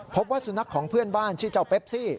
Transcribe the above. พบว่าสุนัขของเพื่อนบ้านชื่อเจ้าเปปซี่